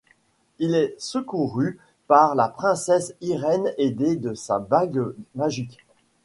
Il est secouru par la princesse Irène aidée de sa bague magique.